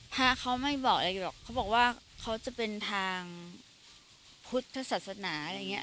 พระเขาไม่บอกอะไรหรอกเขาบอกว่าเขาจะเป็นทางพุทธศาสนาอะไรอย่างนี้